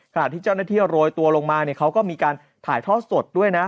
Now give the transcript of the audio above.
ขณะที่เจ้านักท่องเที่ยวโรยตัวลงมาเนี้ยเขาก็มีการถ่ายทอดสดด้วยน่ะ